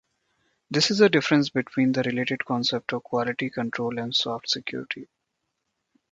There is a difference between the related concepts of quality control and soft security.